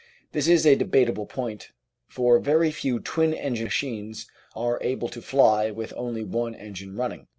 This is a debatable point, for very few twin engine machines are able to fly with only one engine running.